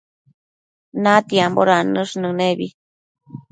natiambo dannësh nënebi